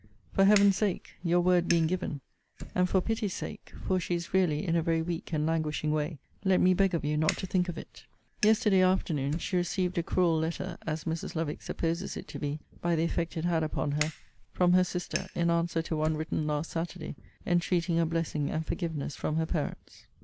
For Heaven's sake, (your word being given,) and for pity's sake, (for she is really in a very weak and languishing way,) let me beg of you not to think of it. Yesterday afternoon she received a cruel letter (as Mrs. Lovick supposes it to be, by the effect it had upon her) from her sister, in answer to one written last Saturday, entreating a blessing and forgiveness from her parents.